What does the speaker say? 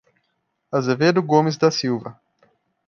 Azevedo Gomes da Silva